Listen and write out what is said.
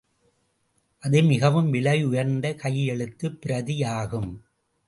அது மிக விலை உயர்ந்த கையெழுத்துப் பிரதியாகும்.